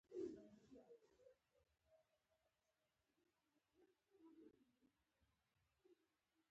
د مناظرې اورېدونکي له بحث څخه راضي نه وو.